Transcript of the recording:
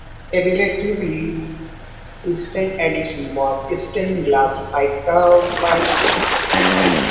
A relatively recent addition was stained glass by Karl Parsons.